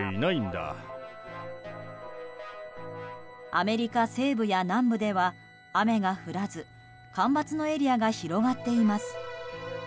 アメリカ西部や南部では雨が降らず干ばつのエリアが広がっています。